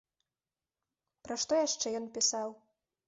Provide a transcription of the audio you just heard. Пра што яшчэ ён пісаў?